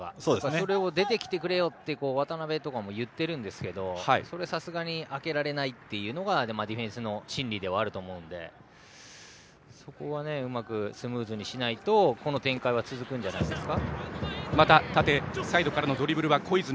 それを、出てきてくれよと渡邉とかも言っているんですけどさすがに空けられないというのがディフェンスの心理ではあるのでそこは、うまくスムーズにしないとこの展開が続くんじゃないですか。